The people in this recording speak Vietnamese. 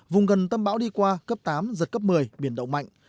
vùng gần tâm bão đi qua cấp tám giật cấp một mươi biển động mạnh